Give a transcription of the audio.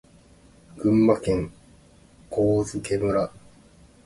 群馬県上野村